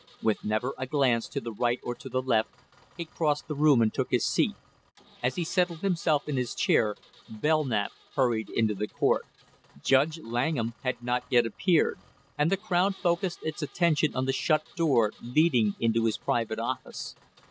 With never a glance to the right or to the left, he crossed the room and took his seat; as he settled himself in his chair, Belknap hurried into court. Judge Langham had not yet appeared, and the crowd focused its attention on the shut door leading into his private office.